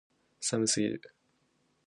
寒すぎる